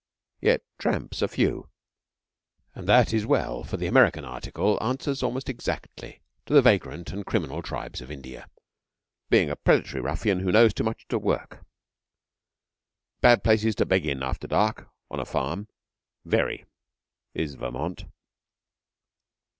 Yet tramps are few, and that is well, for the American article answers almost exactly to the vagrant and criminal tribes of India, being a predatory ruffian who knows too much to work. 'Bad place to beg in after dark on a farm very is Vermont.